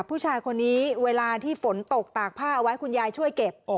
ผู้ชายคนนี้เวลาที่ฝนตกตากผ้าเอาไว้คุณยายช่วยเก็บ